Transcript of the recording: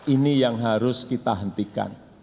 ini yang harus kita hentikan